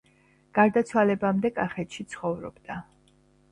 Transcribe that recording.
გარდაცვალებამდე კახეთში ცხოვრობდა.